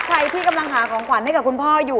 ใครที่กำลังหาของขวัญให้กับคุณพ่ออยู่